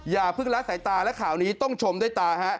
อย่าเพิ่งละสายตาและข่าวนี้ต้องชมด้วยตาฮะ